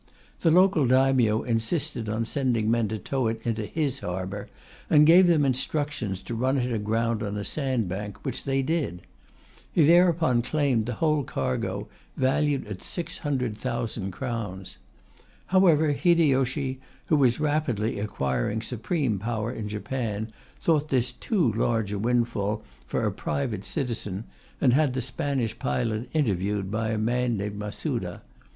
The local Daimyo insisted on sending men to tow it into his harbour, and gave them instructions to run it aground on a sandbank, which they did. He thereupon claimed the whole cargo, valued at 600,000 crowns. However, Hideyoshi, who was rapidly acquiring supreme power in Japan, thought this too large a windfall for a private citizen, and had the Spanish pilot interviewed by a man named Masuda.